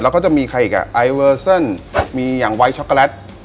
แล้วก็จะมีใครอีกอ่ะไอเวอร์เซิลมีอย่างไวท์ช็อกโกแลต